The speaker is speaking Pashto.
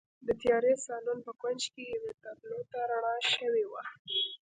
د تیاره سالون په کونج کې یوې تابلو ته رڼا شوې وه